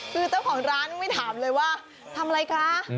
คือเจ้าของร้านไม่ถามเลยว่าทำอะไรคะ